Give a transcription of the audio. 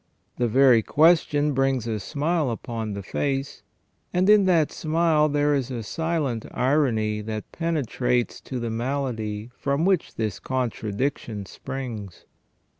The very question brings a smile upon the face, and in that smile there is a silent irony that penetrates to the malady from which this contradiction springs.